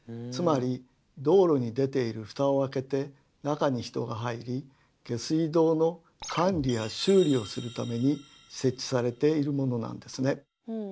つまり道路に出ているフタを開けて中に人が入り下水道の管理や修理をするために設置されているものなんですね。